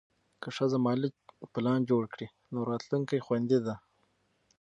که ښځه مالي پلان جوړ کړي، نو راتلونکی خوندي دی.